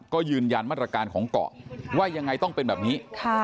ก็ยืนยันมาตรการของเกาะว่ายังไงต้องเป็นแบบนี้